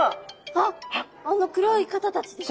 あっあの黒い方たちです。